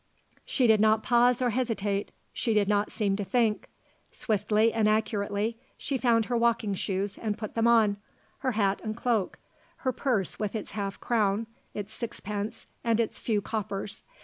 She did not pause or hesitate. She did not seem to think. Swiftly and accurately she found her walking shoes and put them on, her hat and cloak; her purse with its half crown, its sixpence and its few coppers.